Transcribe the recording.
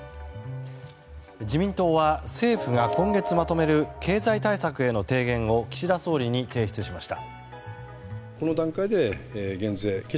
自民党は政府が今月まとめる経済対策への提言を岸田総理に提出しました。